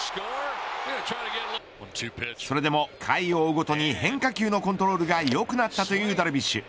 それでも回を追うごとに変化球のコントロールが良くなったというダルビッシュ。